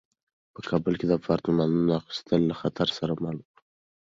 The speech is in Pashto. په کابل کې د اپارتمانونو اخیستل له خطر سره مل وو.